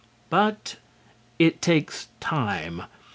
But it takes time.